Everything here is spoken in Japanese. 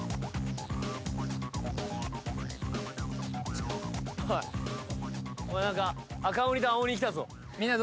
一方おいおい何か赤鬼と青鬼来たぞあ